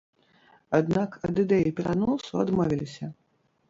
Аднак ад ідэі пераносу адмовіліся.